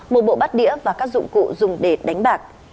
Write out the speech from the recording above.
một bộ bát đĩa và các dụng cụ dùng để đánh bạc